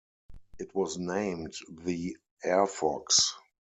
It was named the "Airfox".